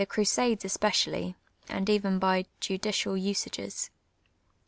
crusades especially, and even by judicial usa^^es.